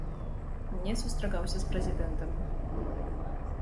Не сустракаўся з прэзідэнтам.